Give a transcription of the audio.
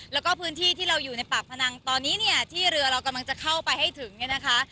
แล้วก็พื้นที่ที่เราอยู่ในปากพนังตอนนี้เนี่ยที่เรือเรากำลังจะเข้าไปให้ถึงเนี่ยนะคะ